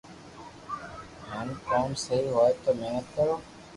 ھين ڪوم سھي ھوئي تو محنت ڪرو